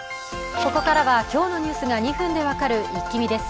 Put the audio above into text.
ここからは今日のニュースが２分で分かるイッキ見です。